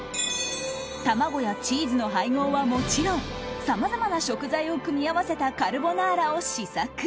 卵やチーズの配合はもちろんさまざまな食材を組み合わせたカルボナーラを試作。